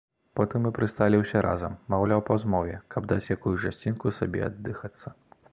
Потым мы прысталі ўсе разам, маўляў па змове, каб даць якую часінку сабе аддыхацца.